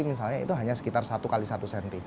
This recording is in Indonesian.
misalnya itu hanya sekitar satu x satu cm